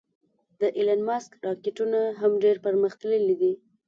د ایلان ماسک راکټونه هم ډېر پرمختللې دې